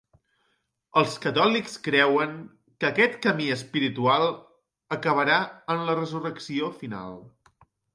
Els catòlics creuen que aquest camí espiritual acabarà en la resurrecció final.